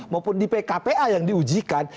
maupun di pkpa yang diujikan